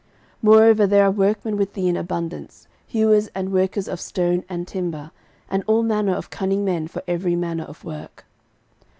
13:022:015 Moreover there are workmen with thee in abundance, hewers and workers of stone and timber, and all manner of cunning men for every manner of work.